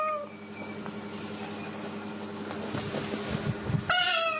แมว